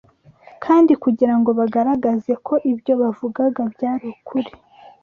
Kandi kugira ngo bagaragaze ko ibyo bavugaga byari ukuri